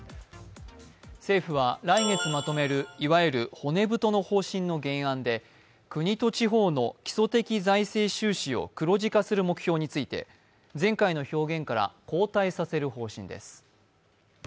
政府は来月まとめる、いわゆる骨太の方針の原案で国と地方の基礎的財政収支を黒字化する目標について、前回の表現から後退させる方針です。